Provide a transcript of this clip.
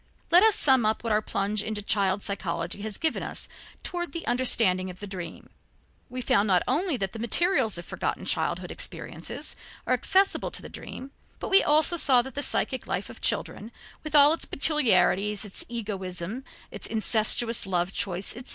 Let us sum up what our plunge into child psychology has given us toward the understanding of the dream. We found not only that the materials of forgotten childhood experiences are accessible to the dream, but we saw also that the psychic life of children, with all its peculiarities, its egoism, its incestuous love choice, etc.